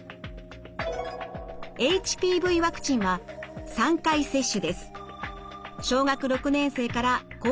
ＨＰＶワクチンは３回接種です。